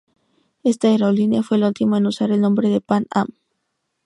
Esta aerolínea fue la ultima en usar el nombre de Pan Am.